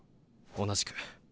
同じく。